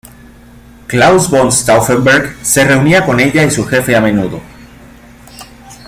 Claus von Stauffenberg se reunía con ella y su jefe a menudo.